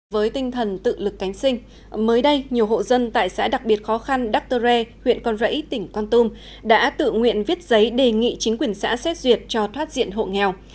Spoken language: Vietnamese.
với tinh thần tự lực cánh sinh mới đây nhiều hộ dân tại xã đặc biệt khó khăn dr huyện con rẫy tỉnh con tum đã tự nguyện viết giấy đề nghị chính quyền xã xét duyệt cho thoát diện hộ nghèo